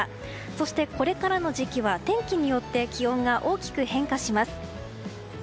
そして、これからの時期は天気によって気温が大きく変化します。